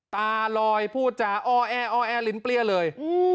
ตาลอยพูดจาอ้อแอ้อแอลิ้นเปรี้ยเลย